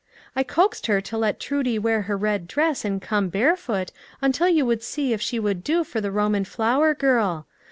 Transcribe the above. I coaxed her to let Trudie wear her red dress and come barefoot, until you would see if she would do for the Roman flower girl.